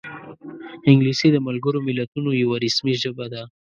انګلیسي د ملګرو ملتونو یوه رسمي ژبه ده